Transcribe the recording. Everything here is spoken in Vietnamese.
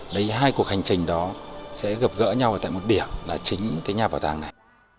đấy hai cuộc hành trình đó sẽ gặp gỡ nhau ở tại một biểu là chính cái nhà bảo tàng này